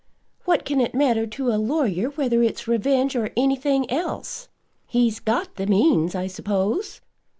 What can it matter to a lawyer whether it's revenge or anything else? He's got the means, I suppose?"